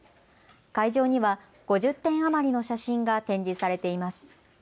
会場には５０点余りの写真が展示されています。